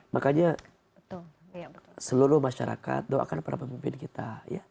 makanya seluruh masyarakat doakan para pemimpin kita